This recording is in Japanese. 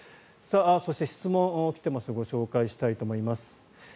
そして、質問来ていますご紹介したいと思います。